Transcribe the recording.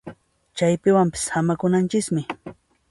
Chaypiwanpas samakunanchismi